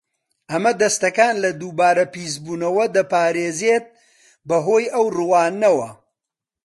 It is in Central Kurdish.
ئەمە دەستەکان لە دووبارە پیسبوونەوە دەپارێزێت بەهۆی ئەو ڕووانەوە.